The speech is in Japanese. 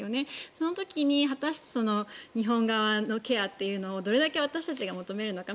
その時に果たして日本側のケアというのをどれだけ私たちが求めるのか。